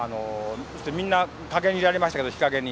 そしてみんな陰にいられましたけど日陰に。